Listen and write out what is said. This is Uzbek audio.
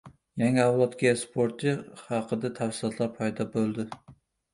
Yangi avlod Kia Sportage haqida tafsilotlar paydo bo‘ldi